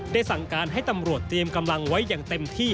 สั่งการให้ตำรวจเตรียมกำลังไว้อย่างเต็มที่